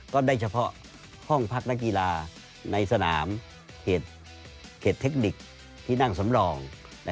ได้เฉพาะห้องพักนักกีฬาในสนามเขตเทคนิคที่นั่งสำรอง